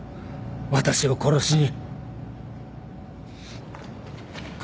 私を殺しに。